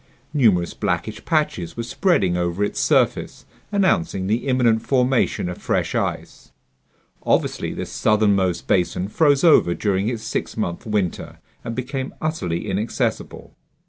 Numerous blackish patches were spreading over its surface, announcing the imminent formation of fresh ice. Obviously this southernmost basin froze over during its six month winter and became utterly inaccessible.